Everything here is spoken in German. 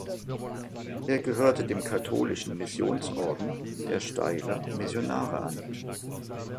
Er gehörte dem katholischen Missionsorden der Steyler Missionare an.